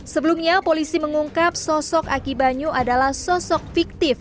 sebelumnya polisi mengungkap sosok aki banyu adalah sosok fiktif